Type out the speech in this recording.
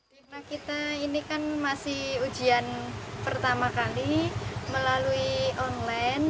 karena kita ini kan masih ujian pertama kali melalui online